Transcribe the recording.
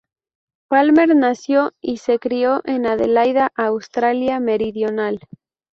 Palmer nació y se crio en Adelaida, Australia Meridional.